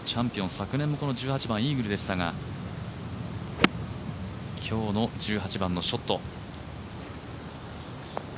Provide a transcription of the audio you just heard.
昨年の１８番はイーグルでしたが今日の１８番のショット。